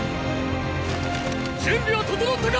準備は整ったか！